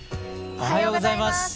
おはようございます。